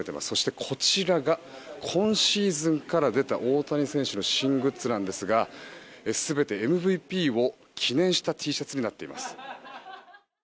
そして、こちらが今シーズンから出た大谷選手の新グッズなんですが全てＭＶＰを記念したＴシャツになっています。